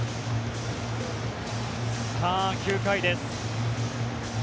さあ、９回です。